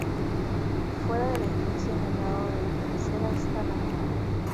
Fuera del edificio, en el lado de la cabecera, está la torre.